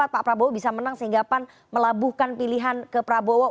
pak prabowo bisa menang sehingga pan melabuhkan pilihan ke prabowo